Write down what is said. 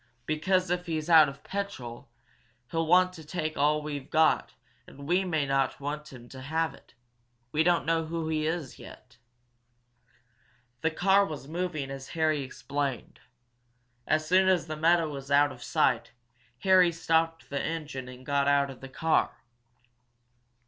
"Because if he's out of petrol, he'll want to take all we've got and we may not want him to have it. We don't know who he is, yet." The car was moving as Harry explained. As soon as the meadow was out of sight, Harry stopped the engine and got out of the car.